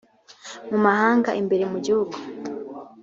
mu mahanga imbere mu gihugu